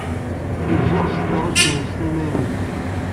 Izuxx s tkeṛṛust-nnes tamaynut.